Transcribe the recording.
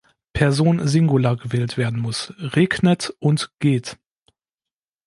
Person Singular gewählt werden muss: "regn-et" und "geh-t".